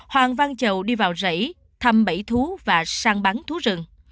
hoàng văn chầu đi vào rẫy thăm bẫy thú và săn bắn thú rừng